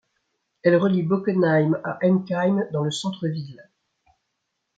Elle relie Bockenheim à Enkheim dans le centre-ville.